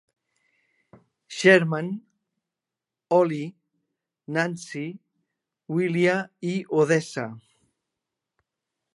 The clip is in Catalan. Sherman, Ollie, Nancy, Willia i Odessa.